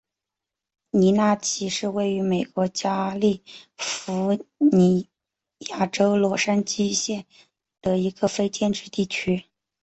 尼纳奇是位于美国加利福尼亚州洛杉矶县的一个非建制地区。